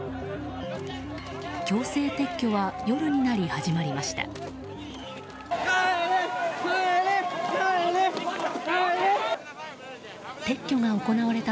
強制撤去は夜になり始まりました。